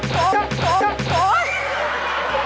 จัดจัดจัด